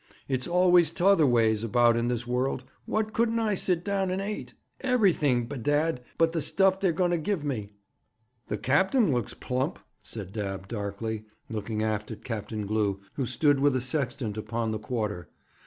It's always t'other ways about in this world. What couldn't I sit down and ate? Everything, bedad, but the stuff they're going to give me.' 'The capt'n looks plump,' said Dabb darkly, looking aft at Captain Glew, who stood with a sextant upon the quarter.